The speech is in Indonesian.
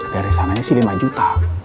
dari sananya sih lima juta